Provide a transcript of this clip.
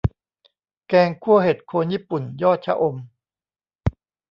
แกงคั่วเห็ดโคนญี่ปุ่นยอดชะอม